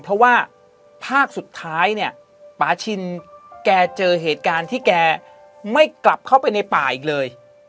เพราะว่าภาคสุดท้ายเนี่ยปาชินแกเจอเหตุการณ์ที่แกไม่กลับเข้าไปในป่าอีกเลย